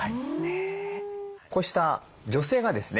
こうした助成がですね